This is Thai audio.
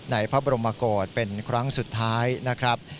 ในพระบรมโกศเป็นครั้งสุดท้ายนะครับ